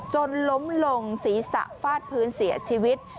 จนล้มลงศีรษะฟาดพื้นเสียชีวิต